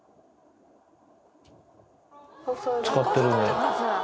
使ってるね。